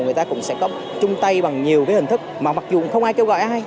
người ta cũng sẽ có chung tay bằng nhiều cái hình thức mà mặc dù không ai kêu gọi ai